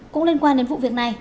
cũng liên quan đến vụ việc này